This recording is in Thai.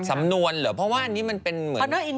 สำนวนเหรอเพราะว่าอันนี้มันเป็นเหมือน